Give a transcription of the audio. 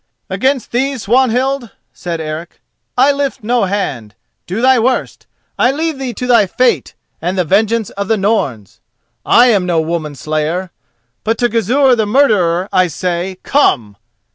"Against thee, Swanhild," said Eric, "I lift no hand. Do thy worst, I leave thee to thy fate and the vengeance of the Norns. I am no woman slayer. But to Gizur the murderer I say, come."